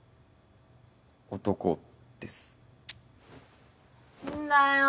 男です。